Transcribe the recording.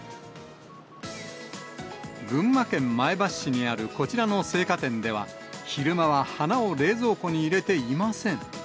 群馬県前橋市にあるこちらの生花店では、昼間は花を冷蔵庫に入れていません。